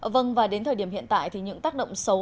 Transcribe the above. vâng và đến thời điểm hiện tại thì những tác động xấu